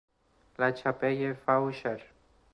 La Chapelle-Faucher